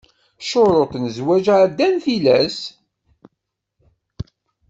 Ccuruṭ n zzwaǧ εeddan tilas.